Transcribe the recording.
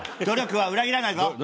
努力は裏切らないぞ。